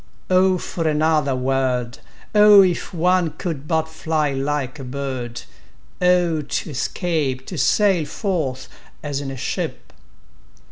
O for another world! O if one could but fly like a bird!O to escape—to sail forth, as in a ship!